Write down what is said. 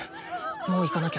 もう行かなきゃ。